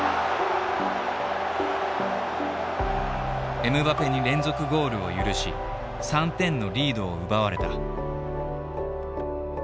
エムバペに連続ゴールを許し３点のリードを奪われた。